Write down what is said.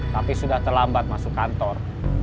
tapi sudah terlambat masuk kantor